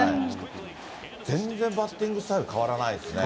全然バッティングスタイル変変わらないですね。